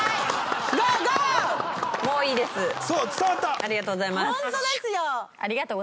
ありがとうございます。